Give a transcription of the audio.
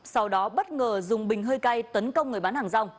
sau đó bất ngờ dùng bình hơi cay tấn công người bán hàng rong